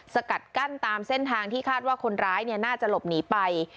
สกัดกั้นตามเส้นทางที่คาดว่าคนร้ายน่าจะหลบหนีไป